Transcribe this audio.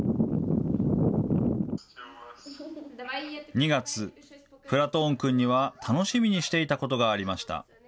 ２月、プラトーン君には、楽しみにしていたことがありました。